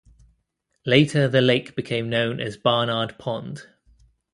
Later the lake became known as Barnard Pond.